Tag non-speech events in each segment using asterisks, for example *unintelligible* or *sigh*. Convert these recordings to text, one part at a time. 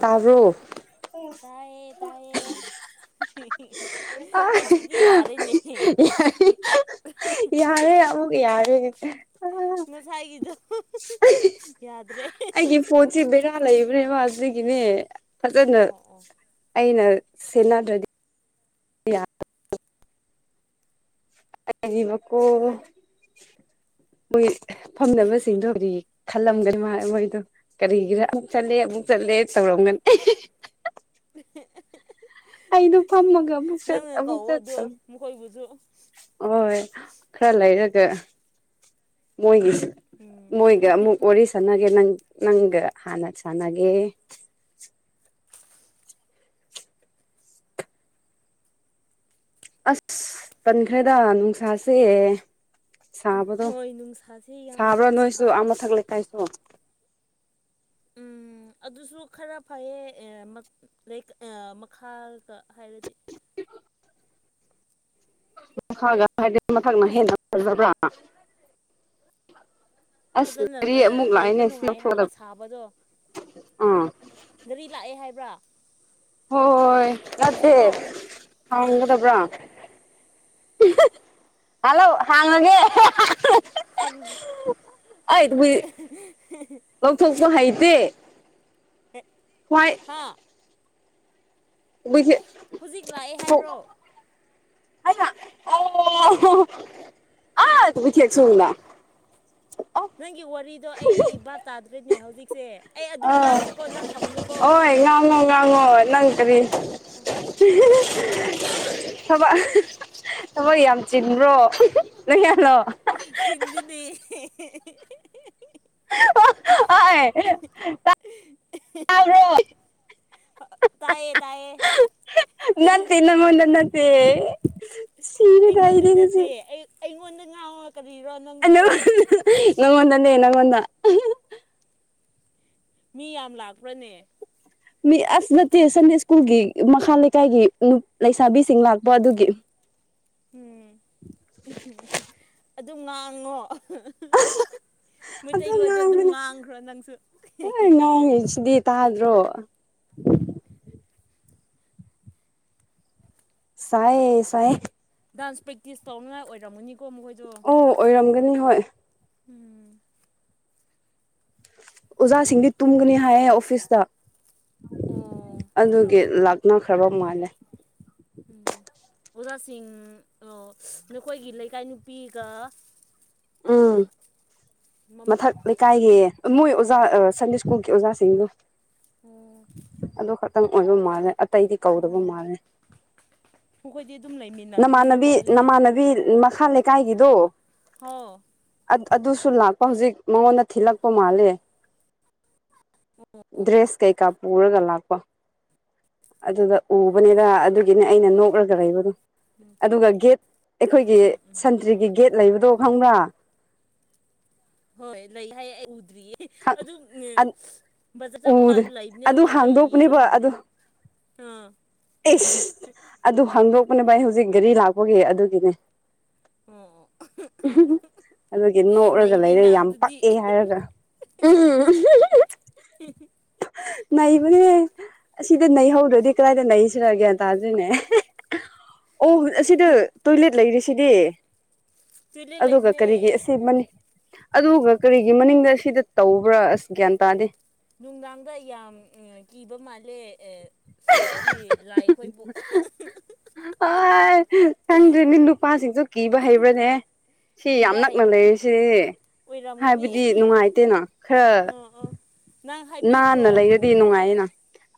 ꯇꯥꯕ꯭ꯔꯣ ꯎ ꯇꯥꯏꯌꯦ ꯇꯥꯏꯌꯦ ꯑ ꯍꯧꯖꯤꯛꯇꯤ ꯌꯥꯔꯦꯅꯦ ꯌꯥ ꯌꯥꯔꯦ ꯑꯃꯨꯛ ꯌꯥꯔꯦ ꯉꯁꯥꯏꯒꯤꯗꯣ ꯌꯥꯗ꯭ꯔꯦ ꯑꯩꯒꯤ ꯐꯣꯟꯠꯁꯤ ꯕꯦꯔꯥ ꯂꯩꯕꯅꯦꯕ ꯑꯗꯨꯗꯒꯤꯅꯦ ꯐꯖꯅ ꯑꯣ ꯑꯣ ꯑꯩꯅ ꯁꯤꯟꯅꯗ꯭ꯔꯦꯗꯤ *unintelligible* ꯐꯝꯅꯕꯁꯤꯡꯗꯣ ꯍꯧꯗꯤ ꯈꯜꯂꯝꯒꯅꯤ ꯃꯥ ꯃꯣꯏꯗꯣ ꯀꯔꯤꯒꯤꯔ ꯑꯃꯨꯛ ꯆꯠꯂꯦ ꯑꯃꯨꯛ ꯆꯠꯂꯦ ꯇꯧꯔꯝꯒꯅꯤ *inaudible* ꯑꯩꯗꯣ ꯐꯝꯃꯒ ꯅꯪꯅ ꯑꯃꯨꯛ ꯀꯧꯋꯣ ꯆꯠ ꯑꯗꯣ ꯃꯈꯣꯏꯕꯨꯁꯨ ꯍꯣꯏ ꯈꯔ ꯂꯩꯔ ꯃꯣꯏꯒꯤ ꯎꯝ ꯃꯣꯏꯒ ꯑꯃꯨꯛ ꯋꯥꯔꯤ ꯁꯥꯅꯒꯦ ꯅꯪ ꯅꯪꯒ ꯍꯥꯟꯅ ꯁꯥꯟꯅꯒꯦ ꯑꯁ ꯇꯟꯈ꯭ꯔꯦꯗ ꯅꯨꯡꯁꯥꯁꯦ ꯁꯥꯕꯗꯣ ꯍꯣꯏ ꯅꯨꯡꯁꯥꯁꯦ ꯌꯥꯝ ꯁꯥꯕ꯭ꯔꯥ ꯅꯣꯏꯁꯨ ꯑꯃ ꯁꯥꯏ ꯃꯊꯛ ꯂꯩꯀꯥꯏꯁꯨ ꯎꯝ ꯑꯗꯨꯁꯨ ꯈꯔ ꯐꯩꯌꯦ ꯃꯈꯥꯒ ꯍꯥꯏꯔꯗꯤ ꯃꯈꯥꯒ ꯍꯥꯏꯗꯤ ꯃꯊꯛꯅ ꯍꯦꯟꯅ ꯐꯖꯕ꯭ꯔꯥ ꯑꯁ ꯐꯖꯅ ꯒꯥꯔꯤ ꯑꯃꯨꯛ ꯂꯩꯕ ꯂꯥꯛꯏꯅꯦ ꯁꯤ ꯅꯨꯡꯉꯥꯏ ꯍꯥꯏꯕ ꯂꯧꯊꯣꯛꯀꯗꯕ ꯁꯥꯕꯗꯣ ꯒꯥꯔꯤ ꯂꯥꯛꯑꯦ ꯍꯥꯏꯕ ꯭ꯔꯥ ꯍꯣ ꯍꯣ ꯍꯣꯏ ꯅꯠꯇꯦ ꯍꯥꯡꯒꯗꯕ꯭ꯔꯣ ꯍꯜꯂꯣ ꯍꯥꯡꯉꯒꯦ ꯑꯩ ꯈꯪ ꯍꯏ ꯂꯧꯊꯣꯛꯄ ꯍꯩꯇꯦ ꯍ꯭ꯋꯥꯏ ꯍꯥꯥ *inaudible* ꯍꯧꯖꯤꯛ ꯂꯥꯛꯑꯦ ꯍꯥꯏꯕ꯭ꯔꯣ ꯍꯩꯕ ꯑꯣ *unintelligible* ꯑꯣ ꯅꯪꯒꯤ ꯋꯥꯔꯤꯗꯣ ꯑꯩ ꯚꯕ ꯇꯥꯗ꯭ꯔꯦꯅꯦ ꯍꯧꯖꯤꯛ ꯍꯧꯖꯤꯛꯁꯦ ꯑꯩ ꯑ ꯑꯗꯨꯝ ꯉꯥꯡꯒꯦꯀꯣ ꯅꯪ ꯊꯝꯃꯨꯅꯨꯀꯣ ꯑꯣ ꯉꯡꯉꫭ ꯉꯉꯣ ꯑꯪ ꯀꯔꯤ ꯑꯣ ꯊꯕꯛ ꯊꯕꯛ ꯌꯥꯝ ꯆꯤꯟꯕ꯭ꯔꯣ ꯂꯣꯏꯌꯥꯂꯣ ꯄꯤꯟꯗꯤꯅꯤ *unintelligible* ꯇꯥꯏꯌꯦ ꯇꯥꯏꯌꯦ ꯅꯠꯇ ꯅꯉꫭꯟꯗ ꯅꯠꯇ *unintelligible* ꯑꯩꯉꯣꯟꯗ ꯅꯠꯇꯦ ꯑꯩ ꯑꯩꯉꯣꯟꯗ ꯉꯥꯎ *unintelligible* ꯅꯪꯉꯣꯟꯗꯅꯦ ꯅꯪꯉꯣꯟꯗ ꯃꯤ ꯌꯥꯝ ꯂꯥꯛꯄ꯭ꯔꯅꯦ ꯃꯤ ꯑꯁ ꯅꯠꯇꯦ ꯁꯟꯗꯦ ꯁ꯭ꯀꯨꯜꯒꯤ ꯃꯈꯥ ꯂꯩꯀꯥꯏꯒꯤ ꯂꯩꯁꯥꯕꯤꯁꯤꯡ ꯂꯥꯛꯄ ꯑꯗꯨꯒꯤ ꯎꯝ ꯑꯗꯨꯝ ꯉꯥꯡꯉꯣ ꯑꯗꯨ ꯃꯩꯇꯩꯂꯣꯟꯗ ꯑꯗꯨꯝ ꯉꯥꯡꯕꯅꯦ ꯉꯥꯡꯈ꯭ꯔꯣ ꯅꯪꯁꯨ ꯉꯥꯡꯉꯤꯁꯤꯗꯤ ꯇꯥꯗ꯭ꯔꯣ *inaudible* ꯁꯌꯦ ꯁꯥꯌꯦ ꯗꯥꯟꯁ ꯄ꯭ꯔꯦꯛꯇꯤꯁ ꯇꯧꯅꯉꯥꯏ ꯑꯣꯏꯔꯝꯃꯅꯤ ꯑꯣ ꯑꯣꯏꯔꯝꯒꯅꯤ ꯍꯣꯏ ꯎꯝ ꯑꯣꯖꯥꯁꯤꯡꯗꯤ ꯇꯨꯝꯒꯅꯤ ꯍꯥꯏꯌꯦ ꯑꯣꯐꯤꯁꯇ ꯑꯣ ꯑꯗꯨꯒꯤ ꯂꯥꯛ ꯅ ꯈꯔꯕ ꯃꯥꯂꯦ ꯎꯝ ꯑꯣꯖꯥꯁꯤꯡ ꯅꯈꯣꯏꯒꯤ ꯂꯩꯀꯥꯏ ꯅꯨꯄꯤꯒ ꯑꯥ ꯃꯝ ꯃꯊꯛ ꯂꯩꯀꯥꯏꯒꯤ ꯃꯣꯏ ꯑꯣꯖꯥ ꯑꯣ ꯁꯟꯗꯦ ꯁ꯭ꯀꯨꯜ ꯑꯣꯖꯥꯁꯤꯡꯗꯨ ꯑꯣ ꯇꯪ ꯑꯣꯏꯕ ꯃꯥꯜꯂꯦ ꯑꯇꯩꯗꯤ ꯑꯣ ꯀꯧꯗꯕ ꯃꯥꯜꯂꯦ ꯑꯩꯈꯣꯏꯗꯤ ꯑꯗꯨꯝ ꯂꯩꯃꯤꯟ ꯅꯃꯥꯟꯅꯕꯤ ꯅꯃꯥꯟꯅꯕꯤ ꯃꯈ ꯈꯥꯥꯟꯦ ꯀꯥꯏꯒꯤꯗꯨꯣ ꯍꯥꯎ ꯑꯗꯨꯁꯨ ꯂꯥꯛꯄ ꯍꯧꯖꯤꯛ ꯃꯉꯣꯟꯗ ꯊꯤꯜꯂꯛꯄ ꯃꯥꯜꯂꯦ ꯗ꯭ꯔꯦꯁ ꯀꯩꯀꯥꯄꯔꯒ ꯂꯥꯛꯄ ꯑꯗꯨꯗ ꯎꯕꯅꯤꯗ ꯎꯝ ꯑꯗꯨꯒꯤꯅꯦ ꯑꯩꯅ ꯅꯣꯛ ꯑꯣꯔꯒꯔ ꯂꯩꯕ ꯑꯗꯨꯝ ꯎꯝ ꯑꯗꯨꯒ ꯒꯦꯠ ꯑꯩꯈꯣꯏꯒꯤ ꯎꯝ ꯎꯝ ꯁꯟꯇ꯭ꯔꯤꯒꯤ ꯒꯦꯠ ꯂꯩꯕꯗꯣ ꯈꯪꯕ꯭ꯔꯥ ꯍꯣꯏ ꯂ ꯍꯥꯏ ꯌꯦ ꯑꯗꯨ ꯕꯖꯠ ꯆꯕ ꯎꯗ꯭ꯔꯦ ꯀꯥꯟꯁꯨ ꯂꯩꯕꯅꯦ ꯑꯗꯨ ꯍꯥꯏꯕ ꯑꯩꯕ ꯍꯥꯡꯗꯣꯛꯄꯅꯦꯕ ꯅꯪꯗꯦ ꯑꯗꯨ ꯑ ꯅꯦ ꯚꯥꯏ ꯍꯧꯖꯤꯛ ꯒꯥꯔꯤ ꯂꯥꯛꯄꯒꯤ ꯑꯗꯨꯒꯤꯅꯦ ꯑꯣ ꯑꯣ ꯑꯗꯨꯒꯤ ꯅꯣꯛꯂꯒ ꯂꯩꯔꯦ ꯅꯩꯔꯦꯅ ꯌꯥꯝ ꯑꯗꯨꯗꯤ ꯄꯛꯑꯦ ꯍꯥꯏꯔꯒ ꯅꯩꯕꯅꯦ ꯑꯁꯤꯗ ꯅꯩꯍꯧꯗ꯭ꯔꯗꯤ ꯀꯗꯥꯏꯗ ꯅꯩꯁꯤꯨꯔꯒꯦ ꯇꯥꯗ꯭ꯣꯏꯅꯦ *inaudible* ꯑꯣ ꯑꯁꯤꯗ ꯇꯣꯏꯂꯦꯠ ꯂꯩꯔꯤꯁꯤ ꯐꯔꯤ ꯇꯣꯏꯂꯦꯠ ꯑꯗꯨꯒ ꯂꯩꯕꯅꯦ ꯀꯔꯤꯒꯤ ꯑꯁꯤꯅꯤ ꯑꯗꯨꯒ ꯀꯔꯤꯒꯤ ꯃꯅꯤꯡꯗ ꯁꯤꯗ ꯇꯧꯕ꯭ꯔꯥ ꯑꯁ ꯒ꯭ꯌꯥꯟ ꯇꯥꯗꯦ ꯅꯨꯡꯗꯥꯡꯗ ꯌꯥꯝ ꯀꯤꯕ ꯃꯥꯜꯂꯦ ꯁꯤꯤ ꯂꯥꯏ ꯑꯩꯈꯣꯏꯕꯨ ꯑ ꯊꯪ꯭ꯔꯤ ꯅꯤꯡꯅ ꯄꯄꯥ ꯁꯤꯖ ꯀꯤꯕ ꯍꯩꯕ꯭ꯔꯅꯦ ꯁꯤ ꯌꯥꯝ ꯀꯤꯕ ꯍꯩ ꯅꯛꯅ ꯂꯩꯔꯤꯁꯦ ꯑꯣꯏꯔꯝꯒꯅꯤ ꯍꯥꯏꯕꯗꯤ ꯅꯨꯡꯉꯥꯏꯇꯦꯅꯣ ꯈꯔ ꯑꯥ ꯑꯥ ꯅꯪ ꯅꯥꯟꯅ ꯍꯥꯏꯕꯤꯈ꯭ꯔꯣ ꯂꯩꯔꯗꯤ ꯅꯨꯡꯉꯥꯏꯌꯦꯅ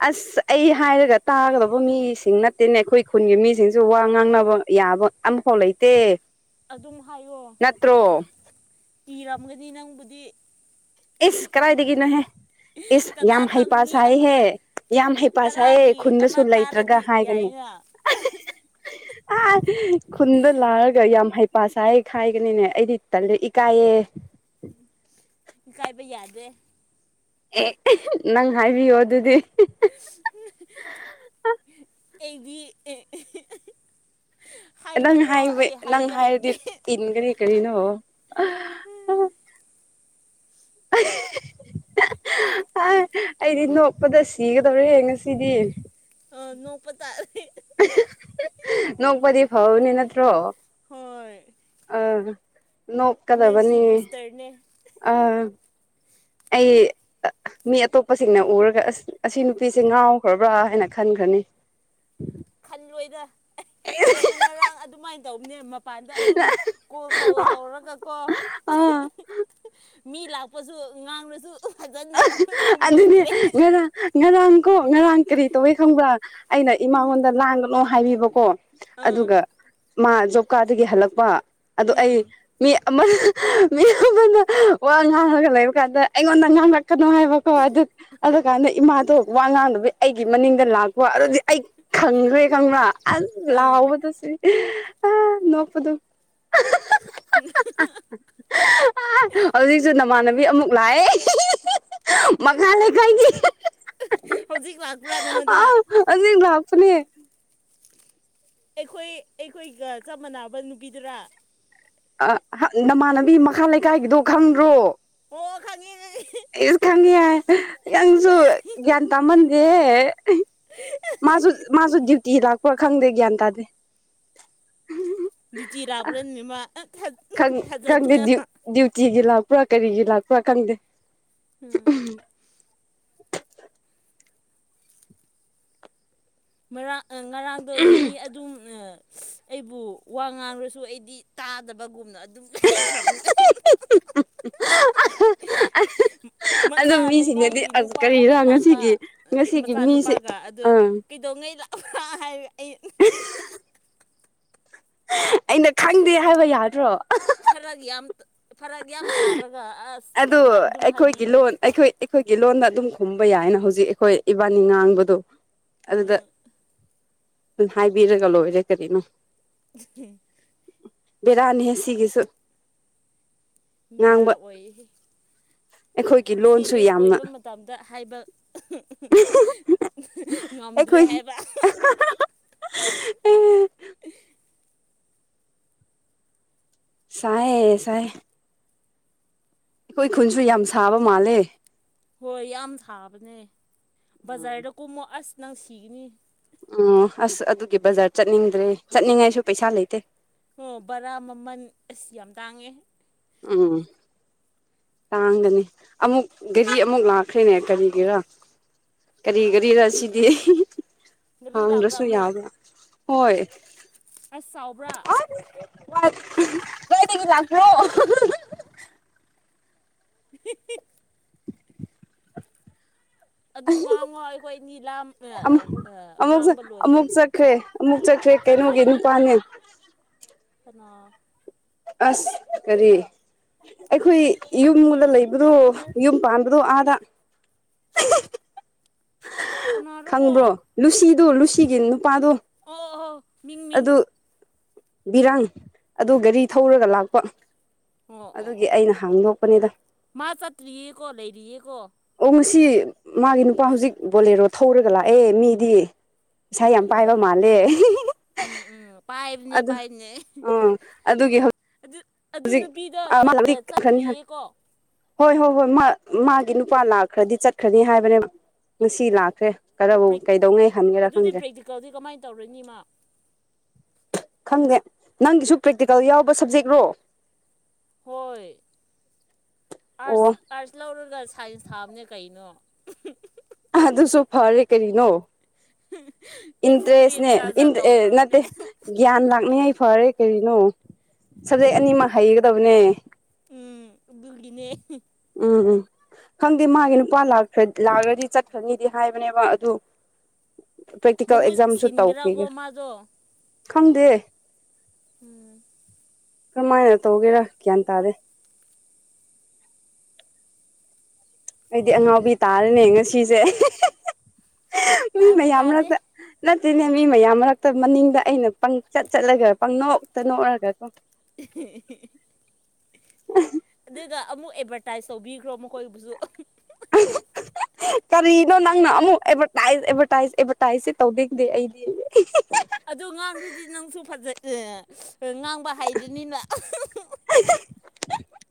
ꯑꯁ ꯑꯩ ꯍꯥꯏꯔꯒ ꯇꯥꯒꯗꯕ ꯃꯤꯁꯤꯡ ꯅꯠꯇꯦꯅꯦ ꯑꯩꯈꯣꯏ ꯈꯨꯟꯒꯤ ꯃꯤꯁꯤꯡꯁꯨ ꯋꯥ ꯉꯥꯡꯅꯕ ꯌꯥꯕ ꯑꯐꯥꯎ ꯂꯩꯇꯦ ꯑꯗꯨꯝ ꯍꯥꯏꯌꯣ ꯅꯠꯇ꯭ꯔꯣ ꯏꯔꯝꯒꯅꯤ ꯅꯪꯕꯨꯗꯤ ꯏꯁ ꯀꯗꯥꯥꯏꯗꯒꯤꯅꯣꯍꯦ ꯏꯁ ꯌꯥꯝ ꯀꯅꯥ ꯈꯪ ꯍꯩꯄꯥ ꯃꯤ ꯁꯥꯏꯍꯦ ꯑꯃ ꯌꯥꯝ ꯍꯩꯄꯥ ꯁꯥꯏꯍꯦ ꯇꯔꯥꯒꯤ ꯈꯨꯟꯗꯁꯨ ꯑꯃ ꯂꯩꯇ꯭ꯔꯒ ꯇꯥꯔꯗꯤ ꯍꯥꯏꯒꯅꯤ ꯌꯥꯏꯅ ꯑ ꯈꯨꯟꯗ ꯂꯥꯛꯑꯒ ꯌꯥꯝ ꯍꯥꯏ ꯄꯥꯁꯥꯏ ꯈꯥꯏꯒꯅꯤꯅꯦ ꯑꯩꯗꯤ ꯇꯜꯂꯦ ꯏꯀꯥꯏꯌꯦꯦ ꯀꯥꯏꯕ ꯌꯥꯗꯦ ꯑꯦ ꯅꯪ ꯍꯥꯏꯕꯤꯌꯣ ꯑꯗꯨꯗꯤ ꯑꯩꯒꯤ ꯑ ꯅꯪ ꯍꯥꯏꯕ ꯅꯪ ꯍꯥꯏꯔꯗꯤ ꯍꯩꯇꯦ ꯏꯟꯒꯅꯤ ꯀꯔꯤꯅꯣ ꯑꯍꯍꯍ ꯑ ꯑꯩꯗꯤ ꯅꯣꯛꯄꯗ ꯁꯤꯒꯗꯧꯔꯦ ꯉꯁꯤꯗꯤ ꯑ ꯅꯣꯛꯄ ꯇꯥꯔꯦ ꯑꯍꯍꯍ ꯅꯣꯛꯄꯗꯤ ꯐꯕꯅꯤ ꯅꯠꯇ꯭ꯔꯣ ꯍꯣꯏ ꯑꯥ ꯏꯅꯔꯖꯤ ꯅꯣꯛꯀꯗꯕꯅꯤ ꯕꯨꯁꯇꯔꯅꯦ ꯑꯥ ꯑꯩ ꯑ ꯃꯤ ꯑꯇꯣꯞꯄꯁꯤꯡꯅ ꯎꯔꯒ ꯑꯁ ꯑꯁꯤ ꯅꯨꯄꯤꯁꯦ ꯉꯥꯎꯈ꯭ꯔꯕ꯭ꯔꯥ ꯍꯥꯏꯅ ꯈꯟꯈ꯭ꯔꯅꯤ ꯂꯣꯏꯗ ꯑꯦ ꯑꯩꯁꯨ ꯉꯔꯥꯡ ꯑꯗꯨꯃꯥꯏꯅ ꯇꯧꯕꯅꯦ ꯀꯥꯟꯗ ꯑꯗꯨꯝ ꯀꯣꯜ ꯇꯧꯔ ꯇꯧꯔꯒꯀꯣ ꯑꯥ ꯃꯤ ꯂꯥꯛꯄꯁꯨ ꯉꯥꯡꯂꯁꯨ ꯐꯖꯅ ꯑꯍ ꯑꯗꯨꯅꯦ ꯈꯨꯝꯕꯤꯗ꯭ꯔꯦ ꯉꯔꯥꯡ ꯉꯔꯥꯡ ꯀꯣ ꯉꯔꯥꯡ ꯀꯔꯤ ꯇꯧꯋꯦ ꯈꯪꯕ꯭ꯔꯥ ꯑꯩꯅ ꯏꯃꯥꯉꯣꯟꯗ ꯂꯥꯡꯒꯅꯣ ꯍꯥꯏꯕꯤꯕꯀꯣ ꯑꯥ ꯑꯗꯨꯒ ꯃꯥ ꯖꯣꯞ ꯀꯥꯔꯗꯗꯒꯤ ꯍꯜꯂꯛꯄ ꯑꯗꯣ ꯑꯩ ꯎꯝ ꯃꯤ ꯑꯃ ꯑꯍ ꯃꯤ ꯑꯃꯅ ꯋꯥ ꯉꯥꯡꯉꯒ ꯂꯩꯕ ꯀꯥꯟꯗ ꯑꯩꯉꯣꯟꯗ ꯉꯥꯡꯂꯛ ꯀꯅꯣ ꯍꯥꯏꯕꯀꯣ ꯑꯗꯨ ꯑꯗꯨ ꯀꯥꯟꯗ ꯏꯃꯥꯗꯣ ꯋꯥ ꯉꯥꯡꯗꯕꯤ ꯑꯩꯒꯤ ꯃꯅꯤꯡꯗ ꯂꯥꯛꯄ ꯑꯗꯨꯗꯤ ꯑꯩ ꯈꯪꯒ꯭ꯔꯦ ꯈꯪꯕ꯭ꯔꯥ ꯑꯁ ꯑꯥ ꯂꯥꯎꯕꯗꯇ ꯁꯤ ꯑ ꯅꯣꯛꯄꯗꯨ ꯍꯍꯍꯍ ꯍꯧꯖꯤꯛꯁꯨ ꯅꯃꯥꯟꯅꯕꯤ ꯕꯤ ꯑꯃꯨꯛ ꯂꯥꯛꯑꯦ ꯃꯈꯥ ꯂꯩꯀꯥꯏꯒꯤ ꯍꯧꯖꯤꯛ ꯂꯥꯛꯄ꯭ꯔꯥ ꯅꯪꯉꯣꯟꯗ ꯑꯥꯎ ꯑꯗꯨ ꯂꯥꯎ ꯁꯅꯤ ꯑꯩꯈꯣꯏ ꯑꯩꯈꯣꯏꯒ ꯆꯞ ꯃꯥꯟꯅꯕ ꯅꯨꯄꯤꯗꯨꯔꯥ ꯑ ꯍ ꯅꯃꯥꯟꯅꯕꯤ ꯃꯈꯥ ꯂꯩꯀꯥꯏꯒꯤꯗꯣ ꯈꯪꯗ꯭ꯔꯣ ꯑꯣ ꯈꯪꯉꯦ ꯈꯪꯉꯦ ꯑꯩꯁꯨ ꯈꯪꯉꯦ ꯍꯥꯏ ꯅꯪꯁꯨ ꯒ꯭ꯌꯥꯟ ꯇꯥꯃꯟꯗꯦ ꯍꯦ ꯑꯍꯤ ꯃꯥꯖꯨ ꯃꯥꯖꯨ ꯗ꯭ꯌꯨꯇꯤ ꯂꯥꯛ ꯄꯨ ꯈꯪꯗꯦ ꯒ꯭ꯌꯥꯟ ꯇꯥꯗꯦ ꯗ꯭ꯌꯨꯇꯤ ꯂꯥꯛꯄ꯭ꯔꯅꯤ ꯃꯥ ꯈꯪ ꯈꯪꯗꯦ ꯊꯥꯖꯗꯅ ꯗ꯭ꯌꯨ ꯁꯤꯒꯤ ꯂꯥꯛꯄ꯭ꯔꯥ ꯀꯔꯤꯒꯤ ꯂꯥꯛꯄ꯭ꯔꯥ ꯈꯪꯗꯦ ꯎꯝ ꯃꯔꯛ ꯉꯔꯥꯡꯗꯣ ꯃꯤ ꯑꯗꯨꯝ ꯑꯩꯕꯨ ꯋꯥ ꯉꯥꯡꯂꯁꯨ ꯑꯩꯗꯤ ꯇꯥꯗꯕꯒꯨꯝꯅ ꯂꯩꯈ꯭ꯔꯕꯅꯦ *unintelligible* ꯑꯗꯣ ꯃꯈꯥ ꯃꯤꯁꯤꯡꯅꯗꯤ ꯂꯩꯀꯥꯏꯒꯤ ꯑꯁ ꯅꯨꯄꯥ ꯀꯔꯤꯔꯥ ꯑꯃ ꯂꯥꯛꯄ ꯉꯁꯤꯒꯤ ꯉꯁꯤꯒꯤ ꯃꯤꯁꯦ ꯃꯆꯥꯅꯨꯄꯥꯒ ꯑꯗꯨ ꯑꯥ ꯀꯩꯗꯧꯉꯩ ꯂꯥꯛ ꯍꯥꯏ ꯑꯩ ꯑꯩꯅ ꯈꯪꯗꯦ ꯍꯥꯏꯕ ꯌꯥꯗ꯭ꯔꯣ ꯐꯔꯛ ꯌꯥꯝ ꯐꯔꯛ ꯌꯥꯝ ꯇꯥꯔꯒ ꯑꯁ *unintelligible* ꯑꯗꯨ ꯖꯥꯠ ꯖꯥꯠ ꯑꯗꯨꯝ ꯑꯩꯈꯣꯏꯒꯤ ꯍꯥꯏꯕꯤꯈ꯭ꯔꯦ ꯂꯣꯟ ꯑꯩꯈꯣꯏ ꯑꯩꯈꯣꯏꯒꯤ ꯂꯣꯟꯗ ꯑꯗꯨꯝ ꯍꯨꯝꯕ ꯌꯥꯏꯅ ꯍꯧꯖꯤꯛ ꯑꯩꯈꯣꯏ ꯏꯕꯥꯅꯤ ꯉꯥꯡꯕꯗꯣ ꯑꯗꯨꯗ ꯑꯗꯨ ꯍꯥꯏꯕꯤꯔꯒ ꯂꯣꯏꯔꯦ ꯀꯔꯤꯅꯣ *unintelligible* ꯕꯤꯔꯥꯅꯦ ꯍꯦ ꯁꯤꯒꯤꯁꯨ ꯉꯥꯡꯕ ꯕꯦꯔꯥ ꯑꯣꯏ ꯑꯩꯈꯣꯏꯒꯤ ꯂꯣꯟꯁꯨ ꯁꯤꯔꯤꯁ ꯌꯥꯝꯅ ꯑꯣꯏꯕ ꯃꯇꯝꯗ ꯍꯥꯏꯕ ꯉꯝꯗ꯭ꯔꯦ ꯑꯩꯈꯣꯏ ꯍꯥꯏꯕ ꯁꯥꯏꯌꯦ ꯁꯥꯏꯌꯦ ꯑꯩꯈꯣꯏ ꯈꯨꯟꯁꯨ ꯌꯥꯝ ꯁꯥꯕ ꯃꯥꯜꯂꯦ ꯍꯣꯏ ꯌꯥꯝ ꯁꯥꯕꯅꯦ ꯕꯖꯥꯔꯗ ꯀꯨꯝꯃꯣ ꯑꯁ ꯅꯪ ꯁꯤꯒꯅꯤ ꯑꯣ ꯑꯁ ꯑꯗꯨꯒꯤ ꯕꯖꯥꯔ ꯆꯠꯅꯤꯡꯗ꯭ꯔꯦ ꯆꯠꯅꯤꯡꯉꯥꯏꯁꯨ ꯄꯩꯁꯥ ꯂꯩꯇꯦ ꯑꯣ ꯕꯔꯥ ꯃꯃꯜ ꯑꯁꯤ ꯌꯥꯝ ꯇꯥꯡꯉꯦ ꯎꯝ ꯇꯥꯡꯒꯅꯤ ꯑꯃꯨꯛ ꯒꯥꯔꯤ ꯑꯃꯨꯛ ꯂꯥꯛꯈ꯭ꯔꯦꯅꯦ ꯀꯔꯤꯒꯤꯔꯥ ꯀꯔꯤ ꯒꯥꯔꯤꯔ ꯁꯤꯗꯤ ꯒꯥꯔꯤ ꯂꯥꯛꯄ꯭ꯔꯥ ꯍꯪꯗ꯭ꯔꯁꯨ ꯑꯃꯨꯛ ꯌꯥꯕ ꯍꯣꯏ ꯑꯁ ꯆꯥꯎꯕ꯭ꯔꯥ ꯀꯦꯗꯤꯒꯤ ꯂꯥꯛꯈꯣ *unintelligible* ꯑꯗꯨꯝ ꯉꯥꯡꯉꯣ ꯑꯩꯈꯣꯏ ꯅꯤ ꯂꯥ ꯑꯃꯨꯛ ꯑꯃꯨꯛ ꯉꯥꯡꯕ ꯂꯣꯟꯗꯣ ꯑꯃꯨꯛ ꯆꯠꯈ꯭ꯔꯦ ꯑꯃꯨꯛ ꯆꯠꯈ꯭ꯔꯦ ꯀꯩꯅꯣꯒꯤ ꯅꯨꯄꯥꯅꯦ *inaudible* ꯍꯩꯃ ꯑꯁ ꯀꯔꯤ ꯑꯩꯈꯣꯏ ꯌꯨꯝꯗ ꯂꯩꯕꯗꯣ ꯌꯨꯝ ꯄꯥꯟꯕꯗꯣ ꯑꯥꯗ ꯀꯅꯥꯔꯣꯀꯣ ꯈꯪꯕ꯭ꯔꯣ ꯑꯣ ꯂꯨꯁꯤ ꯂꯨꯁꯤꯒꯤ ꯅꯨꯄꯥꯗꯣ ꯑꯣ ꯑꯣ ꯃꯤꯡ ꯃꯤꯡ ꯑꯗꯨ ꯕꯤꯔꯥꯡ ꯑꯗꯨ ꯒꯥꯔꯤ ꯊꯧꯔꯒ ꯂꯥꯛꯄ ꯑꯣ ꯑꯣ ꯑꯣ ꯑꯗꯨꯒꯤ ꯑꯩꯅ ꯍꯥꯡꯗꯣꯛꯄꯅꯤꯗ ꯃꯥ ꯆꯠꯇ꯭ꯔꯤꯌꯦ ꯀꯣ ꯂꯩꯔꯤꯌꯦ ꯀꯣ ꯁꯤ ꯃꯥꯒꯤ ꯅꯨꯄꯥ ꯍꯧꯖꯤꯛ ꯕꯣꯂꯦꯔꯣ ꯊꯧꯔꯒ ꯂꯥꯛꯑꯦ ꯃꯤꯗꯤ ꯏꯁꯥ ꯑꯣ ꯌꯥꯝ ꯑꯣ ꯄꯥꯏꯕ ꯃꯥꯜꯂꯦ ꯎꯝ ꯎꯝ ꯄꯥꯏꯕꯅꯦ ꯑꯗꯨ ꯄꯥꯏꯕꯅꯦ ꯎ ꯑꯗꯨꯒꯤ ꯍꯧꯖꯤꯛ ꯑꯗꯨ ꯑꯗꯨ ꯅꯨꯄꯤꯗꯣ ꯈꯅꯤ ꯆꯠꯇ꯭ꯔꯤꯌꯦ ꯀꯣ ꯍꯣꯏ ꯍꯣꯏ ꯍꯣꯏ ꯃꯥꯒꯤ ꯅꯨꯄꯥ ꯂꯥꯛꯈ꯭ꯔꯗꯤ ꯆꯠꯈ꯭ꯔꯅꯤ ꯍꯥꯏꯕꯅꯦꯕ ꯉꯁꯤ ꯂ ꯑꯣ ꯑꯗꯨꯗꯤ ꯄ꯭ꯔꯦꯛꯇꯤꯀꯦꯜꯗꯤ ꯀꯃꯥꯏꯅ ꯇꯧꯔꯅꯤ ꯏꯃ ꯈꯪꯗꯦ ꯅꯪꯒꯤꯁꯨ ꯄ꯭ꯔꯦꯛꯇꯤꯀꯦꯜ ꯌꯥꯎꯕ ꯁꯕꯖꯦꯛꯔꯣ ꯍꯣꯏ ꯑꯣ ꯑꯥꯔꯠꯁ ꯑꯥꯔꯠꯁ ꯂꯧꯔꯒ ꯁꯥꯏꯟꯁ ꯊꯥꯕꯅꯦ ꯀꯩꯅꯣ ꯑꯗꯨ ꯑꯗꯨꯁꯨꯣ ꯐꯔꯦ ꯀꯔꯤꯅꯣ ꯏꯟꯇꯔꯦꯁꯅꯦ ꯑꯦꯛꯁꯄꯤꯔꯤꯌꯦꯟꯁ ꯖꯥꯠ ꯖꯥꯠ ꯇꯧꯈ꯭ꯔꯕꯅꯦ ꯅꯠꯇꯦ ꯒ꯭ꯌꯥꯟ ꯂꯥꯛꯅꯤꯉ ꯐꯔꯦ ꯀꯔꯤꯅꯣ ꯁꯕꯖꯦꯛ ꯑꯅꯤꯃꯛ ꯍꯩꯒꯗꯕꯅꯦ ꯎꯝ ꯂꯤꯅꯦ ꯎꯝ ꯎꯝ ꯈꯪꯗꯦ ꯃꯥꯒꯤ ꯅꯨꯄꯥ ꯂꯥꯛꯑꯒꯗꯤ ꯆꯠꯈ꯭ꯔꯅꯤꯗꯤ ꯍꯥꯏꯕꯅꯦꯕ ꯑꯗꯨ ꯄ꯭ꯔꯦꯛꯇꯤꯀꯦꯜ ꯃꯍꯨꯠ ꯑꯦꯛꯖꯥꯝꯁꯨ ꯁꯤꯟꯒ꯭ꯔꯥꯒ ꯇꯧꯈꯤꯒꯦ ꯃꯥꯗ ꯈꯪꯗꯦ ꯎꯝ ꯀꯃꯥꯏꯅ ꯇꯧꯒꯦꯔꯥ ꯒ꯭ꯌꯥꯟ ꯇꯥꯗꯦ ꯑꯩꯗꯤ ꯑꯉꯥꯎꯕꯤ ꯇꯥꯔꯅꯦ ꯉꯁꯤꯁꯦ ꯎ ꯇꯥꯗꯦ ꯌꯥꯝꯔ ꯇꯥꯗꯦ ꯆ ꯅ ꯑꯗꯨꯅꯦ ꯃꯤ ꯃꯌꯥꯝ ꯃꯔꯛꯇ ꯃꯅꯤꯡꯗ ꯑꯩꯅ ꯄꯪꯆꯠ ꯆꯠꯂꯒ ꯄꯪꯅꯣꯛꯇ ꯅꯣꯛꯑꯔꯒ *inaudible* ꯎ ꯁꯤꯗ ꯑꯃꯨꯛ ꯑꯦꯗꯚꯔꯇꯥꯏꯁ ꯇꯧꯕꯤꯈ꯭ꯔꯣ ꯃꯈꯣꯏꯕꯨꯁꯨ ꯀꯔꯤꯅꯣ ꯅꯪꯅ ꯑꯃꯨꯛ ꯑꯦꯚꯔꯇꯥꯏꯁ ꯑꯦꯚꯔꯇꯥꯏꯁ ꯑꯦꯚꯔꯇꯥꯏꯁꯁꯦ ꯇꯧꯗꯗꯦ ꯑꯩꯗꯤ ꯑ ꯉꯥꯡꯗ꯭ꯔꯤꯗꯤ ꯅꯪꯁꯨ ꯐꯖꯩ ꯉꯥꯡꯕ ꯍꯥꯏꯗꯅꯤꯅ *inaudible*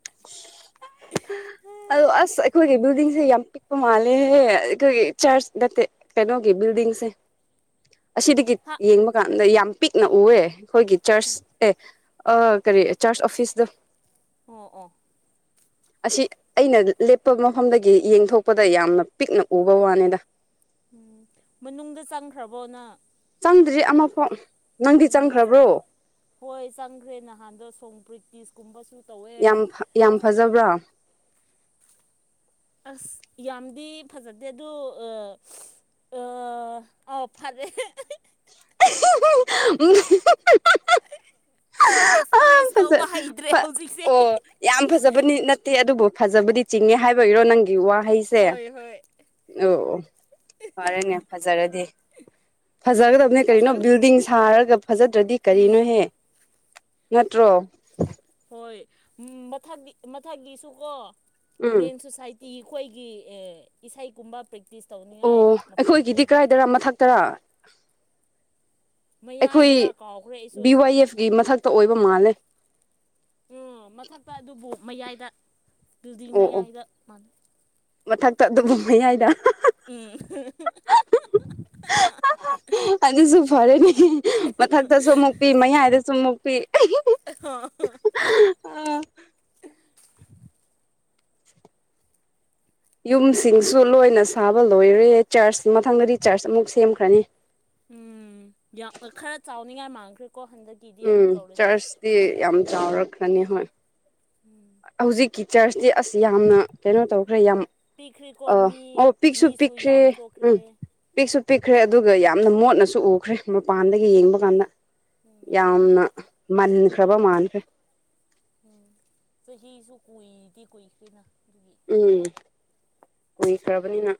ꯑꯗꯣ ꯑꯁ ꯑꯩꯈꯣꯏꯒꯤ ꯕꯤꯜꯗꯤꯡꯁꯦ ꯌꯥꯝ ꯄꯤꯛꯄ ꯃꯥꯜꯂꯦꯍꯦ ꯑꯩꯈꯣꯏꯒꯤ ꯆꯔꯆ ꯅꯠꯇꯦ ꯀꯩꯅꯣꯒꯤ ꯕꯤꯜꯗꯤꯡꯁꯦ ꯑꯁꯤꯗꯒꯤ ꯍꯥ ꯌꯦꯡꯕ ꯀꯥꯟꯗ ꯌꯥꯝ ꯄꯤꯛꯅ ꯎꯑꯦ ꯑꯩꯈꯣꯏꯒꯤ ꯆꯔꯆ ꯑꯦ ꯀꯔꯤ ꯆꯥꯔꯁ ꯑꯣꯐꯤꯁꯇ ꯑꯣ ꯑꯣ ꯑꯁꯤ ꯑꯩꯅ ꯂꯦꯞꯄ ꯃꯐꯝꯗꯒꯤ ꯌꯦꯡꯊꯣꯛꯄꯗ ꯌꯥꯝꯅ ꯄꯤꯛꯅ ꯎꯕ ꯋꯥꯅꯤꯗ ꯎꯝ ꯃꯅꯨꯡꯗ ꯆꯪꯈ꯭ꯔꯕꯣꯅ ꯆꯪꯗ꯭ꯔꯤ ꯑꯃꯐꯥꯎ ꯅꯪꯗꯤ ꯎꯝ ꯆꯪꯈ꯭ꯔꯕ꯭ꯔꯣ ꯍꯣꯏ ꯆꯪꯈ꯭ꯔꯦ ꯅꯍꯥꯟꯗꯣ ꯁꯣꯄ꯭ꯔꯤꯠ ꯀꯁ ꯀꯨꯝꯕꯁꯨ ꯌꯥꯝ ꯌꯥꯝ ꯐꯖꯕ꯭ꯔꯥ ꯑꯁ ꯌꯥꯝꯗꯤ ꯐꯖꯗꯦ ꯑꯗꯨ ꯑꯥꯎ ꯐꯔꯦ ꯑꯦꯛꯁꯄ꯭ꯔꯦꯁ ꯇꯧꯕ ꯐꯖ ꯍꯩꯇ꯭ꯔꯦ ꯍꯧꯖꯤꯛꯁꯦ ꯑꯣ ꯌꯥꯝ ꯐꯖꯕꯅꯤ ꯅꯠꯇꯦ ꯑꯗꯨꯕꯨ ꯐꯖꯕꯨꯗꯤ ꯆꯤꯡꯉꯦ ꯍꯥꯏꯕ ꯑꯣꯏꯔꯣ ꯅꯪꯒꯤ ꯑꯩ ꯋꯥꯍꯩꯁꯦ ꯑꯣ ꯍꯣꯏ ꯍꯣꯏ ꯑꯣ ꯐꯔꯦꯅꯦ ꯐꯖꯔꯗꯤ ꯐꯖꯒꯗꯕꯅꯦ ꯀꯔꯤꯩꯅꯣ ꯕꯤꯜꯗꯤꯡ ꯁꯥꯔ ꯑꯗꯨꯒ ꯐꯖꯗ꯭ꯔꯗꯤ ꯎꯝ ꯀꯔꯤꯅꯣꯍꯦ ꯅꯠꯇ꯭ꯔꯣ ꯍꯣꯏ ꯎꯝ ꯃꯊꯛꯀꯤ ꯃꯊꯛꯀꯤꯁꯨ ꯀꯣ ꯎꯝ ꯃꯦꯟ ꯁꯣꯁꯥꯏꯇꯤ ꯇꯤ ꯑꯩꯈꯣꯏꯒꯤ ꯏꯁꯩꯒꯨꯝꯕ ꯄ꯭ꯔꯦꯛꯇꯤꯁ ꯑꯣ ꯇꯧꯅꯤꯡꯉꯥꯏ ꯃꯐꯝ ꯑꯩꯈꯣꯏꯒꯤꯗꯤ ꯂꯩ ꯀꯗꯥꯥꯏꯗꯔ ꯃꯊꯛ ꯇꯔꯥ ꯑꯩꯈꯣꯏ ꯃꯌꯥꯏꯗꯔ ꯀꯥꯎꯈ꯭ꯔꯦ ꯑꯩꯁꯨ ꯕꯤ ꯋꯥꯏ ꯑꯦꯐꯀꯤ ꯃꯊꯛꯇ ꯑꯣꯏꯕ ꯃꯥꯜꯂꯦ ꯎꯝ ꯃꯊꯛꯇ ꯑꯗꯨ ꯃꯌꯥꯏꯗ ꯕꯤꯜꯗꯤꯡ ꯑꯣ ꯑꯣ ꯃꯌꯥꯏꯗ ꯃꯥꯥꯟꯅꯩ ꯃꯊꯛꯇ ꯑꯗꯨꯨꯝ ꯃꯌꯥꯏꯗ ꯎꯝ ꯑꯗꯨꯁꯨ ꯐꯔꯦꯅꯤ ꯃꯊꯛꯇꯁꯨ ꯑꯃꯨꯛ ꯄꯤ ꯃꯌꯥꯏꯗꯁꯨ ꯑꯃꯨꯛ ꯄꯦ ꯑ *unintelligible* ꯌꯨꯝꯁꯤꯡꯁꯨ ꯂꯣꯏꯅ ꯁꯥꯕ ꯂꯣꯏꯔꯦ ꯆꯔꯆ ꯃꯊꯪꯗꯗꯤ ꯆꯔꯆ ꯑꯃꯨꯛ ꯁꯦꯝꯈ꯭ꯔꯅꯤ ꯎꯝ ꯌꯥꯝ ꯈꯔ ꯆꯥꯎꯅꯤꯡꯉꯥꯏ ꯃꯥꯡꯈ꯭ꯔꯦ ꯎꯝ ꯆꯔꯁꯗꯤ ꯌꯥꯝ ꯆꯥꯎꯔꯛ ꯀꯅꯤ ꯍ ꯎꯝ ꯍꯧꯖꯤꯛꯀꯤ ꯆꯔꯆ ꯗꯦ ꯑꯁꯤꯁ ꯌꯥꯝꯅ ꯀꯩꯅꯣ ꯇꯧꯈ꯭ꯔꯦ ꯌꯥꯝ ꯄꯤꯛꯈ꯭ꯔꯦꯀꯣ ꯑ ꯃꯤ ꯑꯣ ꯄꯤꯛꯁꯨ ꯃꯤꯁꯨ ꯄꯤꯛꯈ꯭ꯔꯦ ꯌꯥꯝ ꯊꯣꯛꯈ꯭ꯔꯦ ꯎꯝ ꯄꯤꯛꯁꯨ ꯄꯤꯛꯈ꯭ꯔꯦ ꯑꯗꯨꯒ ꯌꯥꯝꯅ ꯃꯣꯠꯅꯁꯨ ꯎꯈ꯭ꯔꯦ ꯃꯄꯥꯟꯗꯒꯤ ꯌꯦꯡꯕ ꯀꯥꯟꯗ ꯎꯝ ꯌꯥꯝꯅ ꯃꯥꯟꯈ꯭ꯔꯕ ꯃꯥꯟꯕꯈ꯭ꯔꯦ ꯎꯝ ꯌꯁꯨ ꯀꯨꯏꯗꯤ ꯀꯏ ꯀꯅ ꯎꯝ ꯀꯨꯏꯈ꯭ꯔꯕꯅꯤꯅ